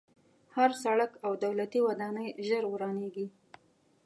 هر سړک او دولتي ودانۍ ژر ورانېږي.